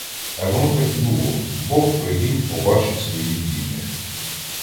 А воно так і було — бог привів побачить своїх бідних.